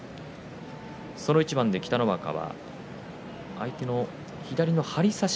その一番で北の若は相手の左の張り差し